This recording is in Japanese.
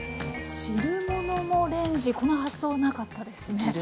汁物もレンジこの発想はなかったですね。